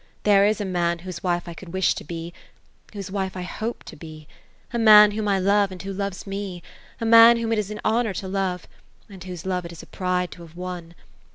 There is a man whose wife I could wish to be — whose wife I hope to be. A man whom I love, and who loves me ; a man whom it is an honor to love ; and whose love it is a pride to have won.